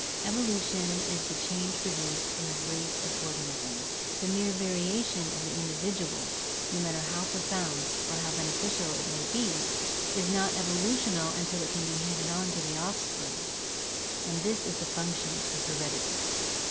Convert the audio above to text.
Evolution is the change produced in a race of organisms; the mere variation of the individual, no matter how profound or how beneficial it may be, is not evolutional until it can be handed on to the offspring, and this is the function of heredity.